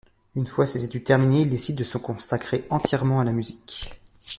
Une fois ses études terminées, il décide de se consacrer entièrement à la musique.